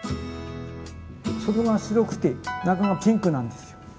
外が白くて中がピンクなんですよ。